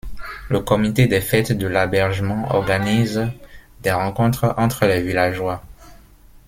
Le comité des fêtes de L'Abergement organise des rencontres entre les villageois.